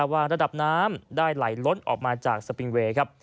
ว่าระดับน้ำได้ไหลล้นออกมาจากสปิงเวย์ครับ